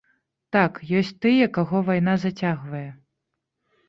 Так, ёсць тыя, каго вайна зацягвае.